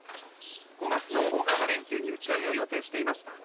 ５月の大型連休に打ち上げを予定していました。